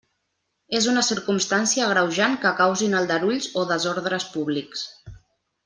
És una circumstància agreujant que causin aldarulls o desordres públics.